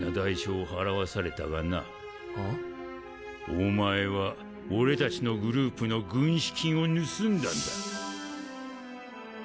お前は俺たちのグループの軍資金を盗んだんだ。